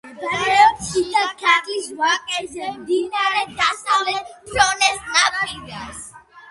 მდებარეობს შიდა ქართლის ვაკეზე, მდინარე დასავლეთ ფრონეს ნაპირას.